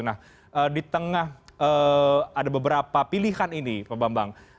nah di tengah ada beberapa pilihan ini pak bambang